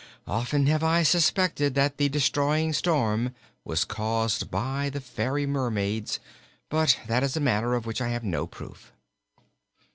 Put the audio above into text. Often have I suspected that the destroying storm was caused by the fairy mermaids, but that is a matter of which I have no proof."